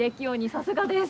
さすがです。